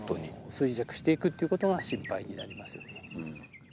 衰弱していくっていうことが心配になりますよね。